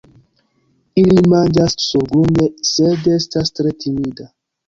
Ili manĝas surgrunde, sed estas tre timida.